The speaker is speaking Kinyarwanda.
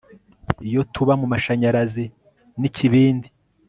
Iyo tuba mumashanyarazi nikibindi